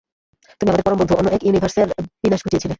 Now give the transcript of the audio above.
তুমি, আমাদের পরম বন্ধু, অন্য এক ইউনিভার্সের বিনাশ ঘটিয়েছিলে।